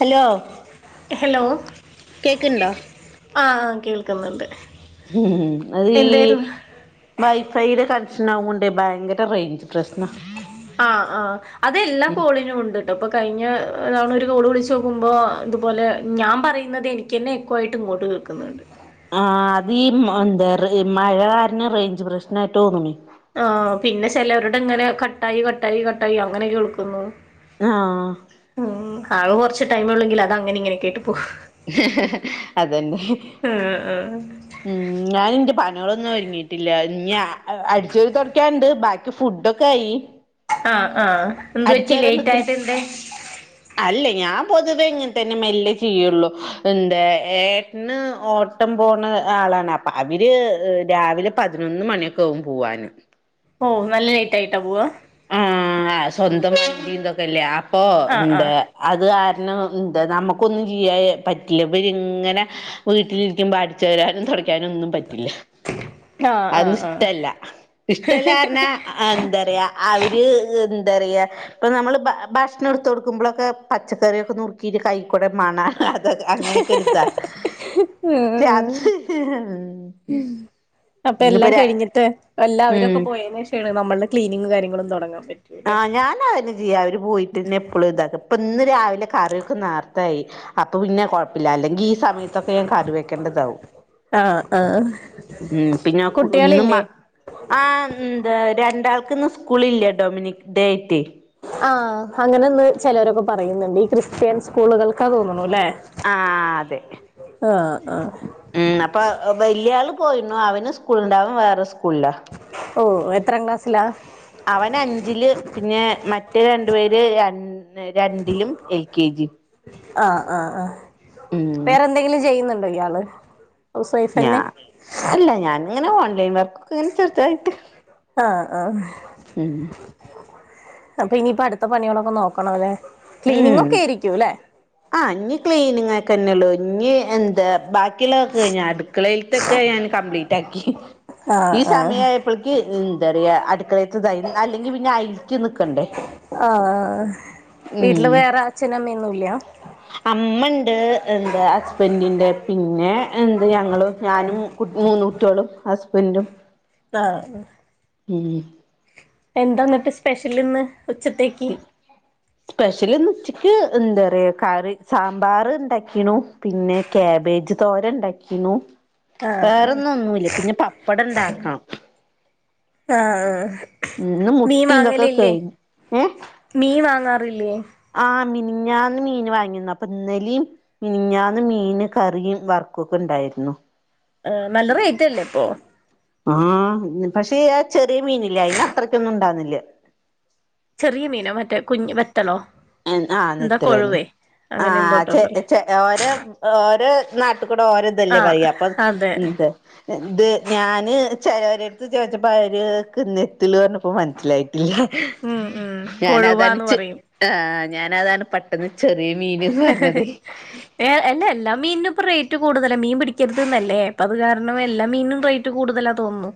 Hello hello.. കേക്ക്ണ്ടോ കേക്ക് ആഹ് ആ കേൾക്ന്ന് ണ്ട് ഉംമം അത് ഈ വൈഫൈയുടെ കണക്ഷന് ആവോണ്ട് ഭയങ്കര റേഞ്ച ആഹ് ആഹഹ് അതെല്ലാകോളിനും ഉണ്ട് ഇപ്പൊ കഴിഞ്ഞ ഒരുണ ഒരു കോളു വിളിച്ച് നോക്കുമ്പോൾ ഇതുപോലെ ഞാൻ പറയുന്നത് എനിക്ക് ക്കന്നെ എക്കോ ആയിട്ടുംങ്ങോട്ട് കേൽക്കുന്നുണ്ട് ആഹ് അതീഈ എന്താ മഴ കാരണം റേഞ്ച് പ്രശ്നയിട്ട് തോന്നണേ ആഹ് പിന്നെ ചിലവരുടെ ഇങ്ങനെ കട്ടായി കട്ടായി കട്ടായി അങ്ങനെയൊക്കെ കേൾക്കുന്നു ആഹ് ഉം ആളു കൊറച്ച് ടൈമുള്ളെങ്കിൽ അത് അങ്ങനെ ഇങ്ങനെ എകേട്ട് പോവ് [unintelligible] അതന്നെ ഉം ഉം ഉം ഞാൻ എന്റെ പണികളൊന്നും ഒരുങ്ങിട്ടില്ല ഇഞ അടിച്ചൊര് തൊടക്യണ് ണ്ട് ബാക്കി ഫുഡൊക്കെയി ആഹ് ആഹ് എന്തു പറ്റി ലേറ്റ് നിക്കും ആയത് എന്തെ അല്ല ഞാൻ പൊതുവേ ഇങ്ങനെ തന്നെ മെല്ലെ ചെയ്യുള്ളൂ എന്താ ഏട്ടന് ഓട്ടം പോണ ആളാണ് അപ്പൊ അവര് രാവിലെ പതിനൊന്ന് മണിയൊക്കെ ആകും പോവാന്‌ ഓ നല്ല ലേറ്റ് ആയിട്ടാ പോവാ ആഹ് സ്വന്തംന്തൊക്കെല്ലേ അപ്പൊ ആ ആ എന്താ അത് കാരണം എന്താ നമുക്കൊന്നും ചെയ്യായ പറ്റില്ല ഇവര് ഇങ്ങന അനെ വീട്ടിലിരിക്കുമ്പോ അടിച്ചു വരാനും തുടക്കാനും ഒന്നും പറ്റില്ല ആ ആ അതെന്ന് ആ ഇഷ്ടല്ല ഇഷ്ടല്ല പറഞ്ഞാ എന്താ പറയാ അവര് എന്താറിയാ ഇപ്പൊ നമ്മള് ഭ ഭക്ഷണം എടുത്ത് കൊടുക്കുമ്പോളെക്കെ പച്ചക്കറിയൊക്കെ നുറക്കിയിട്ട് കൈക്കൂടെ മണാ അതൊ അങ്ങനെയൊക്കെ എടുത്ത ഉം, ഉം. [unintelligible] അപ്പ എല്ലാം കഴിഞ്ഞിട്ട് ഉം എല്ലാവരുഒക്കെ പോയന് ശേഷമാണ് നമ്മളുടെ ക്ലീനിങ്ങും കാര്യങ്ങളും തുടങ്ങാൻ പറ്റും ആഹ് ഞാൻ ആ ചെയ അവര് പോയിട്ട്ന്നെ എപ്പളും ഇതാക്കും ഇപ്പ ഇന്ന് രാവിലെ കറിയോക്കെ നേർത്തായി അപ്പൊ പിന്നെ പ്പില്ല അല്ലെങ്കിൽ ഈ സമയത്തൊക്കെ ഞാൻ കറി വെക്കേണ്ടതാവും ആഹ് ആഹ് കുട്ടികളില്ലേ ആ എന്താ രണ്ടാൾക്ക് ഇന്ന് സ്കൂളില്ല ഡൊമിനിക് ഡേ ആയിട്ട് ആഹ് അങ്ങനെന്ന് ചിലവരൊക്കെ പറയുന്നുണ്ട് ഈ ക്രിസ്ത്യൻ സ്കൂളുകൾക്കാ തോന്നണ്ല്ലേ ആഹ് അതെ ആഹ് ആഹ് ഉം അപ്പ വലിയ ആള് പോയിണ് അവനു സ്കൂളുണ്ട് അവൻ വേറെ സ് ഓ എത്ര ക്ലാസ്സിലാ അവൻ അഞ്ചില് പിന്നെ മറ്റേ രണ്ടു പേര് രാണ്ട് രണ്ടിലും എൽ കെ ജി ആഹ് ആഹ് ആഹ് ഉം വേറെന്തെങ്കിലും ചെയ്യുന്നുണ്ടോ ഇയാള് ഹൗസ് വൈഫ് ഞാ തന്നെ അല്ല ഞാനിങ്ങനെ ഓൺലൈൻ വർക്കൊക്കെങ്ങനെ ചെറുതായിട്ട് ആഹ് ആഹ് ഉം അപ്പൊ ഇനിയിപ്പോ അടുത്ത പണികളൊക്കെ നോക്കണ അല്ലേ ഉം ക്ലീനിഞ്ഞ്ങ്ങൊക്കെ ആയിരിക്കും അല്ലേ ആഹ് ഇനീ ക്ലീനിങ് ആക്ക തന്നെള്ളു ഇനീ എന്താ ബാക്കി ളക്കെഴിഞ്ഞു അടുക്കളെൽത്തെക്കെ ഞാൻ കപ്ലീറ്റ് ആക്കി ആഹ് ഈ ആഹ് സമയ പ്പോളക്ക് എന്താ പറയാ അടുക്കളെത്ത തായി അല്ലെങ്കിൽ പിന്നെ അയില്ക്കി നിക്കണ്ടേ ആഹ് അഹ് വീട്ടില് ഉം വേറെ അച്ഛനും അമ്മയൊന്നുല്ല അമ്മണ്ട് എന്താ ഹസ്ബൻണ്ടിന്റെ പിന്നെ എന്ത് ഞങ്ങളും ഞാനും കു മൂന്ന് കുട്ടികളും ഹസ്ബൻഡും ആഹ് ഉം എന്താ ന്നട്ട് സ്പെഷ്യലിന്ന് ഉച്ചത്തേക്ക് [inaudible] സ്പെഷ്യലിന്ന് ഉച്ചയ്ക്ക് എന്താ പറയുക കറി സാമ്പാർ ഉണ്ടാക്കീണു പിന്നെ ക്യബേജ് തോരൻ ഉണ്ടാക്കീണു വേറെന്നു ഒന്നുമില്ല പിന്നെ പപ്പടം ഇണ്ടാകാം ആഹ് മം ഇന്ന് മീൻ മുട്ടിംതൊക്കെ വാങ്ങലില്ലേ കഴിഞ്ഞു ഏഹ് മീൻ വാങ്ങാറില്ലേ ആ മിനിഞ്ഞാന്ന് മീൻ വാങ്ങിന്ന് അപ്പൊ ഇന്നലിം മിനിഞ്ഞന്ന് മീന് കറിയും വറക്കൊക്കെ ഉണ്ടായിരുന്നു. നല്ല റേറ്റ്ല്ലേ ഇപ്പോ മം പക്ഷേ ആ ചെറിയ മീനില്ലേ അയിന് അത്രക്കൊന്നും ഇണ്ടാവ്ന്നില്ല. ചെറിയ മീനോ മറ്റേ കുഞ് വത്തളോ ആഹ് നിത്തളന്നെ അങ്ങനെ ആഹ എന്തോട്ടോ ചെ പറയാ ച ഓരോ ഓരോ നാട്ട് കൂടെ ഓരോ ഇതല്ലേ ആഹ് പറയാ അപ്പൊ അതെ ത് ഞാന് ചിലരെടുത്ത് ചോദിച്ചപ്പോ അവര്ക്ക് നെത്തള് പറഞ്ഞപ്പോ മനസ്സിലായി യിട്ടല്ല ഉം ഉം ഞാനതണ് കൊഴുവാന്ന് ച് പറയും ആ ഞാാനതാണ് പ പെട്ടന്ന് ചെറിയ മീൻന്ന് പറഞ്ഞത് ഏഹ് എല്ല എല്ലാ മീനും ഇപ്പൊ റേറ്റ് കൂടുതലാ, മീൻ പിടിക്കരുത് ന്നാല്ലേ അപ്പൊ അത് കാരണം എല്ലാ മീനിനും റേറ്റ് റ്റ് കൂടുതലാ തോന്നുന്നു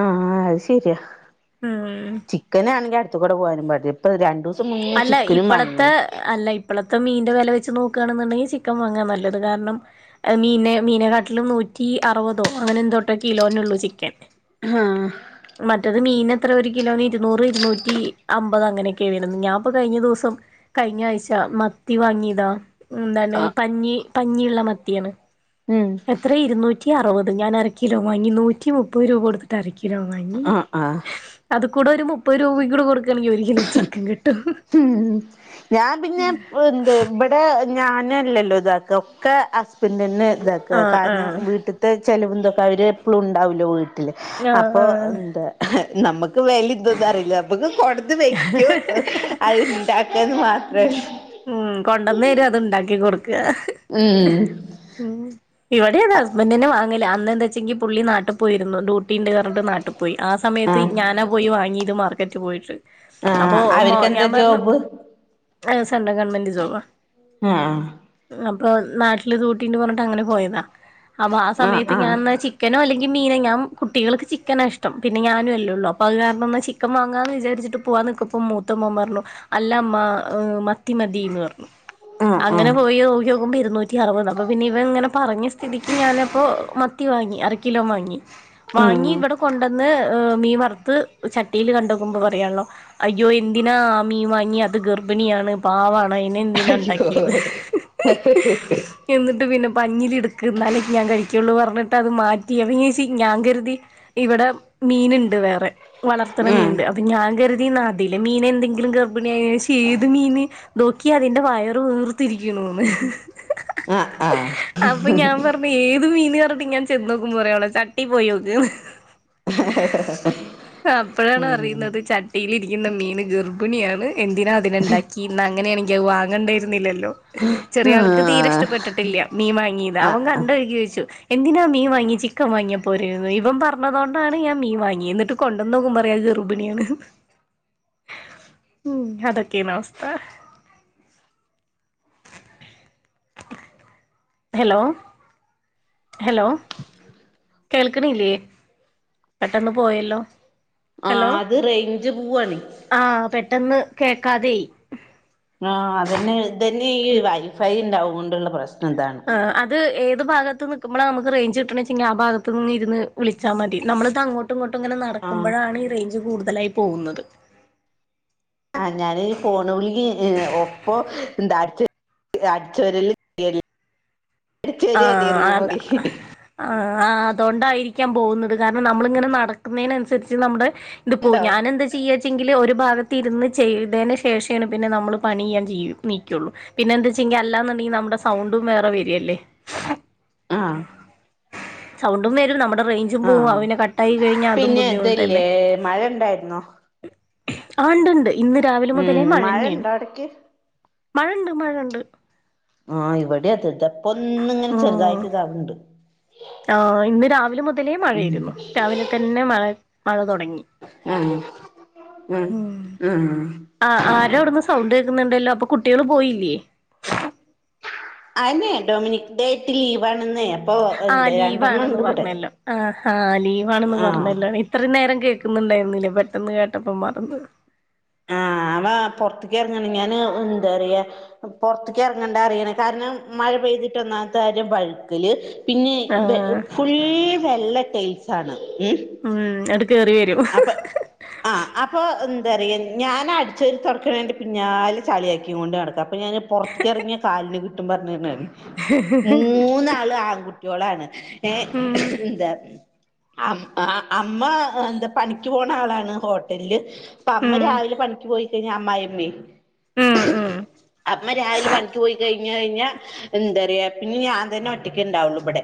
ആഹ് അത് ശരിയാ ഉം ചിക്കനാണെങ്കി അടുത്ത് കൂടെ പോവാനും പാടില്ല ഇപ്പൊ രണ്ട് അല്ല ഇപ്പോളത്തെ അല്ല ഇപ്പോ ഇത്തെ മീൻന്റെ വെല വച്ച് നോക്കാണെന്നുണ്ടെങ്കിൽ ചിക്കൻ വാങ്ങാൻ നല്ലത് കാരണം മീനെ മീനെക്കാട്ടിലും നൂറ്റി അറുപതോ അങ്ങനെ എന്തോട്ടോ കിലോനെ ഉള്ളൂ ചിക്കൻ ആഹ് മറ്റത് മീൻ എത്ര ഒരു കിലോന് ഇരുന്നൂറ് ഇരുന്നൂറ്റി അമ്പത് അങ്ങനെയൊക്കെയാണ് വുന്നത് ഞാൻപ്പോ കഴിഞ്ഞ ദിവസം കഴിഞ്ഞ ആഴ്ച മത്തി വാങ്ങിയതാ എന്താണ് ആ പഞ്ഞി പഞ്ഞിയുള്ള മത്തിയാണ് ഉം എത്ര ഇരുന്നൂറ്റി അറുപത് ഞാനര കിലോ വാങ്ങി നൂറ്റി മുപ്പത് രൂപ കൊടുത്ത് ട്ടരക്കിലോ വാങ്ങി ആ ആ അത് കൂടെ ഒരു മുപ്പത് രൂപ കൂടെ കൊടുക്കയാണെങ്കിൽ ഒരു കിലോ ചിക്കൻ കിട്ടും ഉം ഞാൻ പിന്നെ എന്ത് ബ ട്ത്തെ ഞാനല്ലല്ലോ ഇതാക്ക ഒക്കെ ഹസ്ബൻ്റ് തന്നെ ഇത ആഹ് കാരണം ആഹ് വീട്ട്ത്തെ ചെലവന്തൊക്കെ അവര് എപ്പളും ഉണ്ടാവല്ലോ വീട്ടില് ആഹ് അപ്പൊ ആഹ് എന്താ നമ്മുക്ക് വിലന്തൊന്നും അറിയില്ല നമുക്ക് കൊടുന്ന് വെക്കും അത്ണ്ടാക്കന്നത് മാത്രേ ഉം കൊണ്ടന്നര അത്ണ്ടാക്കി കൊടുക്കുക ഉം ഉം ഇവിടെത് ഹസ്ബൻ്റ്ന്നെ വാങ്ങല് അന്ന് എന്താ വെച്ചെങ്കി പുള്ളി നാട്ടു പോയിരുന്നു ഡ്യൂ ട്ടീുണ്ട് പറഞ്ഞിട്ട് നാട്ടിൽ പോയി ആ സമയത്ത് ആഹ് ഞാനാ പോയി വാങ്ങിയത് മാർക്കറ്റിൽ പോയിട്ട് അപ്പൊ ആഹ് ഞാൻ അവർക്കെന്താ പറഞ്ഞു ജോബ് ഗവൺമെന്റ് ജോബ് ആഹ് ആഹ് അപ്പൊ നാട്ടില് ഡ്യൂട്ടിണ്ട് പറഞ്ഞിട്ട് അങ്ങനെ പോയതാ അപ്പൊ ആ ആഹ് സമയത്ത് ആഹ് ഞാൻ ചിക്കനോ അല്ലെങ്കിൽ മീനോ ഞൻ കുട്ടികൾക്ക് ചിക്കന ഇഷ്ടം പിന്നെഞാനുംല്ലേ ഒള്ളൂ അപ്പ അത് കാരണം ചിക്ക ക്കൻ വങ്ങാന്ന് വിചരിച്ചിട്ട് പോവാൻ നിക്കുമ്പം മൂത്ത മോൻ പറഞ്ഞു അല്ല അമ്മ മത്തിമതിന്ന് പറഞ്ഞു ആഹ് അങ്ങനെ ആഹ് പോയി നോക്കി നോക്കുമ്പോ ഇരുന്നൂറ്റി അറുപത് അപ്പൊ പിന്നെ ഇവൻ ഇങ്ങനെ പറഞ്ഞ തിക്ക ഞാനപ്പോൾ മത്തി വാങ്ങി അര കിലോ വാങ്ങി വാങ്ങി ആഹ് ഇവിടെ കൊണ്ടന്ന് മീൻ വറുത്ത് ചട്ടിയിൽ കണ്ട് നോക്കുമ്പോൾ പറയാല്ലോ അയ്യോ എന്തിനാ ആ മീൻ വാങ്ങി അത് ഗർഭിണിയാണ് പവാണ് അയിനെ എന്തിനാ അയ്യോ ഉണ്ടാക്കിയത് എന്നിട്ട് പിന്നെ പഞ്ഞില് എടുക്ക് എന്നാലേക്കെ ഞാൻ കഴിക്കുള്ളു പറഞ്ഞിട്ട് അത് മാറ്റി ചേച്ചി ഞാൻ കരുതി ഇവിടെ മീന്ണ്ട് വേറെ വളർത്തണ ആഹ് മീൻണ്ട് ഞാൻ കരുതി അതിലെ മീൻ എന്തെങ്കിലും ഗർഭിണി അ ഏത് മീന് നോക്കി അതിന്റെ വയറ് വീർത്തിരിക്കണന്ന് ആഹ് ആഹ് അപ്പൊ ഞാൻ പറഞ്ഞു പ്പേഏത് മീന് അർഞ്ഞ്ട്ട് ഇങ്ങനെ ചെന്നോക്കുമ്പോറയാണ് ചട്ടീ പോയോക്ക്ന്ന് ഹ ഹ ഹ ഹ അപ്പളാ അറിയുന്നത് ചട്ടിയിലിരിക്കുന്ന മീൻ ഗർഭിണിയാണ് എന്തിനാ അത് പിന്നെ ഉണ്ടാക്കിന്നാ അങ്ങനെയാണെങ്കി വാങ്ങണ്ടിയിരുന്നില്ലല്ലോ ചെറിയ ആൾക്ക് തീരെ ഇഷ് ആഹ് ഇഷ്ടപ്പെട്ടിട്ടില്ല മീൻ വാങ്ങിയത് അവൻ ആഹ് ആഹ് കണ്ടൊഴുകി ചോദിച്ചു എന്തിനാ മീൻ വാങ്ങിയേ ചിക്കൻ വാങ്ങിയപ്പോരരുന്നു ഇവൻ പറഞ്ഞതോണ്ടാണ് ഞാൻ മീൻ വാങ്ങിയേ എന്നിട്ട് കൊണ്ടോന്നേക്കുമ്പോ ഞാൻ ഗർഭിണിയാണ് ഹ് ഉ അതൊക്കെയാണ് അവസ്ഥ ഹലോ ഹലോ കേൾക്ക്ണില്ലേ? പെട്ടെന്ന് പോയല്ലോ ആ അത് റേഞ്ച് പൂവാണ് ആഹ പെട്ടെന്ന് കേൾക്കാതെ ആയി ആ അതന്നെ ഇതന്നെ ഈ വൈഫൈണ്ടാവുകൊണ്ടുള്ള പ്രശ്നം ഇതാണ് ആ അത്ഏത് ഭാഗത്ത് നിക്കുമ്പളാ നമുക്ക് റേഞ്ച് കിട്ടിണച്ചെങ്കി ആ ഭാഗത്ത് നിന്ന് ഇരുന്ന് വിളിച്ചാൽ മതി. നമ്മള്ത് അങ്ങോട്ട് അങ്ങോട്ടുംങ്ങോട്ടും ഇങ്ങനെ ആഹ് നടക്കുമ്പോഴാണ് ഈ റേഞ്ച് കൂടുതലായി പോകുന്നത്. ആ ഞാൻഈ ഫോൺവിളില് ഹ് ഒപ്പ എന്താ അടിച്ചു അടിച്ചു വാരലില്ലെനി അടിച്ചേരരുന്നു അതാ റൂമക്കെ ആ ആ അതൊണ്ടായിരിക്കാം പോകുന്നത് കാരണം നമ്മളിങ്ങനെ നടക്കുന്നേനനുസരിച്ചു നമ്മുടെ ഇത്പ്പോയി ഉണ്ടോ ഞാനെന്താ ചെയ്യാ ച്ചെങ്കിൽ ഒരു ഭാഗത്ത് ഇരുന്ന് ചെയ്തൻ്റെ ശേഷമാണ് പിന്നെ നമ്മൾ പണിയ്യാൻ [unintelligible] നിക്കൊള്ളൂ പിന്നെ എന്തെച്ചെങ്കി അല്ലാന്നുണ്ടെങ്കി നമ്മുടെ സൗണ്ടും വേറെ വരിയല്ലേ ആഹ് സൗണ്ടും വരും നമ്മുടെ റേഞ്ച് ഇജും പോ ആഹ് അവന് കട്ടായി കഴിഞ്ഞാ അതും പിന്നെ ബുദ്ധിമുട്ടല്ലേ ഇതില്ലേ മഴ ഉണ്ടായിരുന്നോ ആഹ് ഇണ്ട് ഇണ്ട് ഇന്ന് രാവിലെ മുതലേ ഉം മഴ മഴന്നേണ് ഉണ്ടോ അവിടക്ക് മഴണ്ട് മഴണ്ട് ആഹ് ഇവിടെയത് തെ പ്പൊന്നുങ്ങനെ ചെറുതായിട്ട് ഇതാവ്ണ്ട് ആഹ് ഇന്ന് രാവിലെ മുതലേ ഉം മഴയായിരുന്നു രാവിലെ തന്നെ മഴ മഴ തൊടങ്ങി ആഹ് ആഹ് ആഹ് ആഹ് ആരവിടുന്ന് സൗണ്ട് കേൾക്കുന്നുണ്ടല്ലോ അപ്പൊ കുട്ടേള് പോയില്ലേ അഹെന്നെ ഡൊമിനിക് ഡേ ആയിട്ട് ലീവാണിന്ന് ആ ലീവാണെന്ന് പറഞ്ഞല്ലോ ആഹാ ലീവാണെന്ന് ആഹ് പറഞ്ഞല്ലോ നീ ഇത്രയും നേരം കേൾക്കുന്നുണ്ടായിരുന്നില്ലേ പെട്ടെന്ന് കേട്ടപ്പോ മറന്ന് ആഹ് അവ പൊർത്ത്ക്ക് എറങ്ങാണ് ഞാന് എന്തറിയാ പൊർത്തിക്ക് എറങ്ങണ്ടാറിയിണ്‌ കാരണം മഴ പെയ്തിട്ട് ഒന്നാമത്തെ കാര്യം വഴുക്കല് പിന്നെയ് ആ ബെ ഫുൾ വെള്ള ടൈൽസ് ആണ് ഉം ഉം അട് കയറി വരും അപ്പ ആ അപ്പ ന്താറിയ ഞാൻ അടിച്ചൊരു തുടക്ക്ണേന്റെ പിന്നാലെ ചാള്യാക്കി കൊണ്ട് നടക്കാ അപ്പ ഞാൻ പൊറത്ത്ക്കെറങ്ങിയ കാലിന് കിട്ടും പറഞ്ഞ്ണ് റിം മൂന്നാളും ആൺകുട്ട്യോളാണ് ഏ ഉം ന്താ അം ആഹ് അമ്മ എന്ത പണിക്ക് പോണ ആളാണ് ഹോട്ടലില് പ്പ അമ്മ ഉം രാവിലെ പണിക്ക് പോയി കൈഞ്ഞ അമ്മായിമ്മീം ഉം ഉം അമ്മ രാവിലെ പണിക്ക് പോയി കഴിഞ്ഞ് കഴിഞ്ഞ, എന്താറയ പിന്നെ ഞാൻ തന്നെ ഒറ്റക്ക് ഉണ്ടാവുള്ളു ഇവടെ.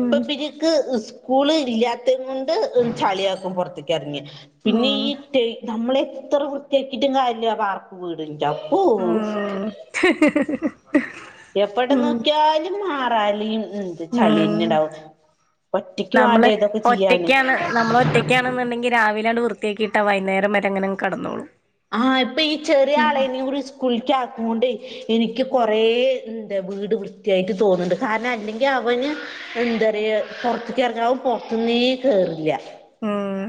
ഉം ഇബ്‌രിക്ക് സ്കൂള് ഇല്ലാത്ത കൊണ്ട് ചളിയാക്കും പുറ [unintelligible] പിന്നെ ഉം ഈ നമ്മളെത്ര വൃത്തിയാക്കിട്ടും കര്യല്ല വാർക്ക് വീട ഓഹ് ഉം എവട ഉം നോക്ക്യാലും മാറാലിം ഉം ത് ചള്യെന്നെ ഉം ണ്ടാവും ഒറ്റക്ക് വാണ്ടെ തൊക്കെ ചെയ്യാന് ക്കെയാണ്ന്ന്ണ്ടെങ്കിൽ രാവിലാണ്ട് വൃത്തിയാക്കിട്ട വൈന്നേരം വരെ ങ്ങനങ് കടന്നോളും ആഹ്, ഇപ്പൊ ഈ ചെറിയ ആളെയും കൂടി സ്കൂൾക്ക് ആക്ണോണ്ടേ എനിക്ക് കൊറെേ എന്താ വീട് വൃത്തിയായിട്ട് തോന്നുന്നുണ്ട്, കാരണം അല്ലെങ്കിൽ അവന്.. എന്താറയ പൊർത്ത്കറങ്ങാവും പൊറത്തന്നേ കേറില്ല ഉം,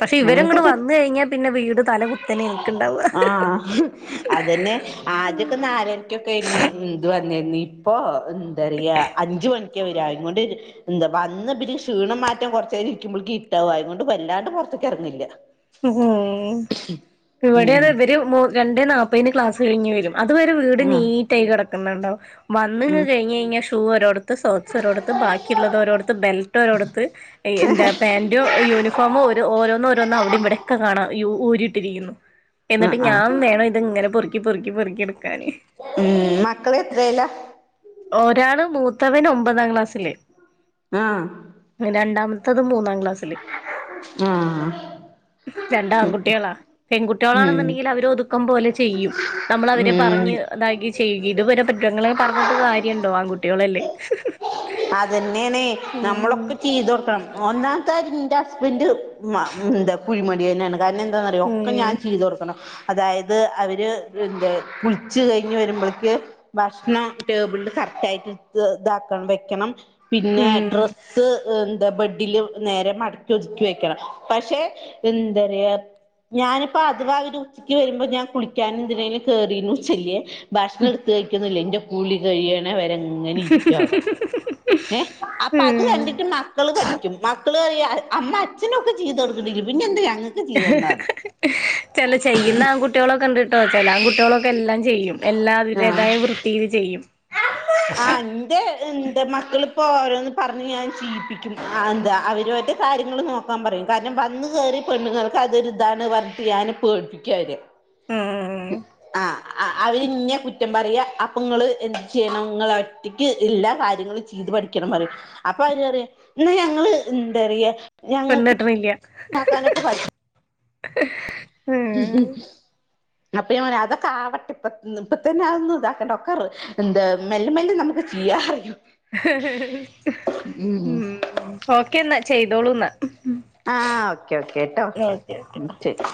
പക്ഷെ ഇവര് ഇങ്ങട് അങ്ങനത്തൊക്കെ വന്ന് കഴിഞ്ഞാ പിന്നെ വീട്.. തല കുത്തനെ നിക്ക്ണ്ടാവ ആഹ് അതന്നെ ആദ്യൊക്കെ നാലരക്കൊക്കെയിരുന്നു ഇത് വന്നിര്ന്നെ. ഇ ഇപ്പോ എന്താ പറയ അഞ്ചു മണിക്കാ വര അയിനോണ്ട്.. എന്താ വന്ന ഇവര് പിന്നെ ക്ഷീണം മാറ്റം കുറച്ചേരം ഇരിക്കുമ്പോൾക് ഇര്ട്ടാവു, അയിനോണ്ട് വല്ലാണ്ട് പുറെത്തക്ക് എറങ്ങലില്ല. ഉം, ഇവിടെ ഉം അതെ ഇവര് രണ്ടേ നാൽപേന് ക്ലാസ് കഴിഞ്ഞ് വരും. അതുവരെ വീട് ആഹ് നീറ്റ് ആയി കിടക്കുന്നുണ്ടാവും, വന്ന്ങ്ങ് ആഹ് കഴിഞ്ഞെഴിഞ്ഞാൽ ഷൂ ഒരോ സോക്സ് ഒരോടത്, ബാക്കിയുള്ളത് ഒരോടുത്, ബെൽറ്റോരോടുത്ത്. എന്താ പാന്റു യൂണിഫോമും ഒരു ഓരോന്നോഓരോന്നു അവിടെ ഇതൊക്കെ കാണാ. ഊരിട്ടിരിക്കുന്നു. എന്നിട്ട് ആഹ് ആഹ് ഞാൻ വേണം ഇത്ങ്ങനെ പെറുക്കി പെറുക്കി പെറുക്കിടുക്കാന്. ഉം, മക്കള് എത്രേല ഒരാള് മൂത്തവന് ഒമ്പതാം ക്ലാസ്സില്. ആഹ.. രണ്ടാമത്തത് മൂന്നാംക്ലാസില്. ആഹാ രണ്ട് ആൺകുട്ടികളാ, ഉം പെൺകുട്ടികളാണെന്നുണ്ടെങ്കിൽ അവര് ഒതുക്കം പോലെ ചെയ്യും. നമ്മള് അവരെ ഉം പറഞ്ഞ് ഇതാക്കി.. ചെയ് ഇവരെ കുറ്റുങ്ങളൊക്കെ പറഞ്ഞിട്ട് കാര്യണ്ടോ? ആൺകുട്ടികളല്ലേ. അതന്നെണെ, ഉം നമ്മളൊക്കെ ചെയ്തൊടുക്കണം. ഒന്നാമത്തെ കാര്യം ന്റെ ഹസ്ബൻഡ് എന്താ കുഴിമടിയനാണ്. കാരണം എന്താന്നറിയോ? ഒക്കെ ഞാൻ ഉം ചെയ്തു കൊടുക്കണം. അതായത് അവര് എന്ത കുളിച്ചു കഴിഞ്ഞ് വരുമ്പോള്ക്ക്‌. ഭക്ഷണം ടേബിളിൽ കറക്റ്റ് ആയിട്ട് ഇട്ത് ഇതാക്കണം വെക്കണം, പിന്നെ ഉം ഡ്രസ്സ്. എന്താ ബഡില് നേരെ മടക്കി ഒതുക്കി വെക്കണം. പക്ഷെ എന്തറിയ? ഞാനിപ്പോ അതവാ ഇവരു ഉച്ചക്ക് വരുമ്പോ ഞാൻ കുളിക്കാൻ എന്തിനേലും കേറീന്ന് വെച്ച ല്ല്യെ ഭക്ഷണം എടുത്ത് കഴിക്കൊന്നുല്ലാ ഇന്റെ കൂളി കഴിയണെ വരെങ്ങനെ ഇരിക്കു അവിടെ. ഏഹ് അപ്പൊ അത് ഉം കണ്ടിട്ട് മ മക്കൾ പഠിക്കും, മക്കൾ പറയുക അമ്മ അച്ഛനൊക്കെ ചെയ്ത് കൊടുക്ക്ണ്ട് എങ്കി പിന്നെ എന്താ ഞങ്ങ- ചല ചെയ്യുന്ന ആൺകുട്ട കുട്ടികളൊക്കെണ്ട്ട്ടോ, ചെല ആണ്കുട്ടികളൊക്കെ എല്ലാം ചെയ്യും, എല്ലാം ആഹ് അവരേതായ വൃത്തീല് ചെയ്യും. ആഹ് ൻ എ മക്കളിപ്പോ ഓരോന്ന് പറഞ്ഞ് ഞാൻ ചീലിപ്പിക്കും, ആ എന്താ അവനോന്റെ കാര്യങ്ങൾ നോക്ക ക്കാൻ പറയും കാരണം വന്ന് കേറിയ പെണ്ണുങ്ങൾക്ക് അതൊരിതാണ് പറഞ്ഞിട്ട് ഞാന് പേട്പിക്കൊവരെ. ഉം ആ ആഹ് അവര് ഇന്നെ കുറ്റം പറയ അപ്പൊങ്ങള് ന്ത് ചെയ്യണം നിങ്ങൾ എല്ലാ കാര്യങ്ങളും ചെയ്തു പഠിക്കണം പറയും. അപ്പൊ അവര് പറിയ ഇന്ന ഞങ്ങള് എന്താ റിയ പെണ്ണെട്ട്ണില്ല സാധനൊക്കെ വാരിടും [unintelligible] [unintelligible] അപ്പൊ ഞാൻ പറഞ്ഞു അതൊക്കെ ആവട്ടെ ഇപ്പ ഇപ്പ തന്നെ അതൊന്നും ഇതാക്കണ്ട, ഒക്കെ എന്ത മെല്ലെ മെല്ലെ നമുക്ക് [unintelligible] ഉം, ഓക്കേ ന്നാ, ചെയ്തോളൂ ന്നാ. ആഹ ഓക്കേ ഓക്കേ ട്ടോ. ഉ ശരി.